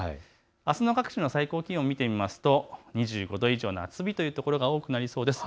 あすの各地の最高気温を見てみますと、２５度以上の夏日というところが多くなりそうです。